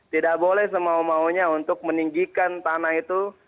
tidak boleh semau maunya untuk meninggikan tanah itu